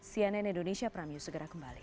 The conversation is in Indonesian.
cnn indonesia pramie segera kembali